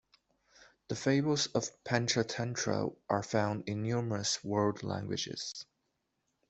The fables of "Panchatantra" are found in numerous world languages.